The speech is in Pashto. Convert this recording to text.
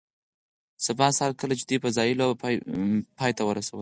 سبا سهار کله چې دوی فضايي لوبه پای ته ورسوله